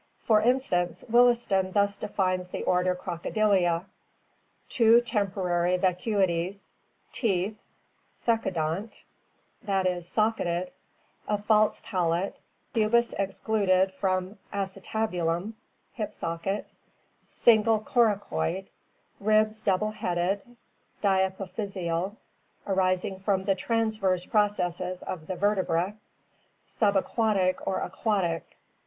For instance, Williston thus defines the order Crocodilia: "Two temporal vacuities; teeth thecodont [i. e., sock eted]; a false palate; pubis excluded from acetabulum [hip socket]; single coracoid; ribs double headed, diapophysial [arising from the transverse processes of the vertebrae]; sub aquatic or aquatic."